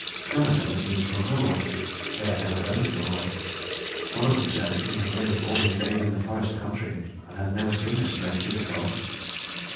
Gunnar said that he was from Norway. They had never heard of Norway. One of them said that he had lived all his days in the forest country and had never seen a stranger before.